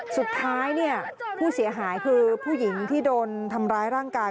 สุดท้ายเนี่ยผู้เสียหายคือผู้หญิงที่โดนทำร้ายร่างกาย